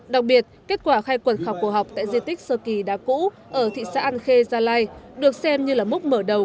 đặc biệt kết quả khai quần khảo cổ học tại di tích sơ kỳ đa cũ ở thị xã an khê gia lai được xem như là mốc mở đầu